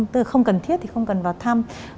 từ không cần thiết thì không cần vào thăm